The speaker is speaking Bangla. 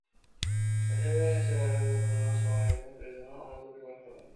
দেশ ছেড়ে আসার সময় একজন প্রিয়জনও আমার জন্য চোখের পানি ফেলেননি।